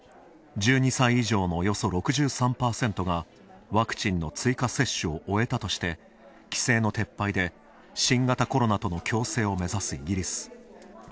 １２歳以上のおよそ６３％がワクチンの追加接種を終えたとして規制の撤廃で新型コロナとの共生を目指すイギリス。